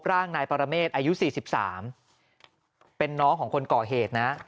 ร่างนายปรเมษอายุ๔๓เป็นน้องของคนก่อเหตุนะ